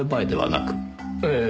ええ。